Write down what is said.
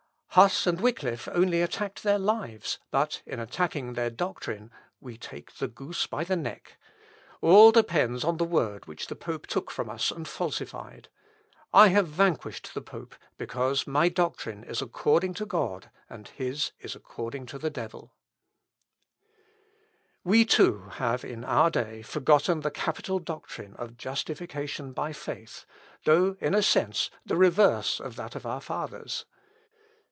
Huss and Wickliff only attacked their lives, but in attacking their doctrine, we take the goose by the neck. All depends on the Word which the pope took from us and falsified. I have vanquished the pope, because my doctrine is according to God, and his is according to the devil. "Wenn man die Lehre angriefft, so wird die Gans am Kragen gegriffen." (Luth. Op. (W.) xxii, p. 1369.) We too have in our day forgotten the capital doctrine of justification by faith, though, in a sense, the reverse of that of our fathers.